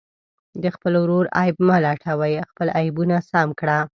د خپل ورور عیب مه لټوئ، خپل عیبونه سم کړه.